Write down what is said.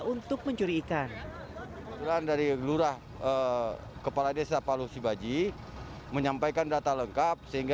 untuk mencuri ikan lanjuran dari gelora kepala desa palusibaji menom fain data lengkap sehingga